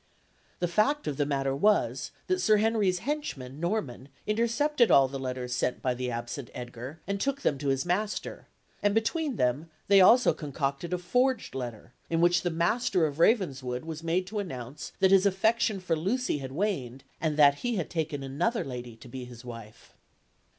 The fact of the matter was that Sir Henry's henchman, Norman, intercepted all the letters sent by the absent Edgar, and took them to his master; and, between them, they also concocted a forged letter, in which the Master of Ravenswood was made to announce that his affection for Lucy had waned, and that he had taken another lady to be his wife.